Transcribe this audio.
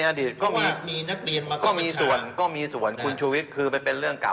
ในอดีตก็มีส่วนคุณชุวิชคือไปเป็นเรื่องเก่า